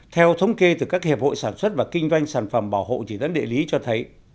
theo thống kê từ các hiệp hội sản xuất và kinh doanh sản phẩm bảo hộ chỉ dẫn địa lý cho thấy